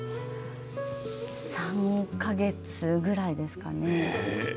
３か月くらいですかね。